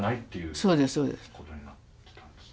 そうですそうです。